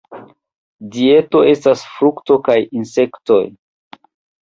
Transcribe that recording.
Dieto estas frukto kaj insektoj.